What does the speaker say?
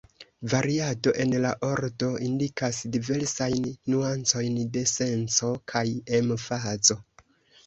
Variado en la ordo indikas diversajn nuancojn de senco kaj emfazo.